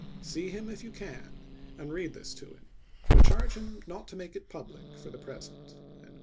See him if you can, and read this to him; but charge him to not make it public for the present.